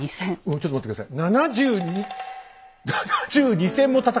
ちょっと待って下さい。